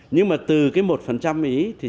nhưng mà từ cái một ý thì chúng ta cũng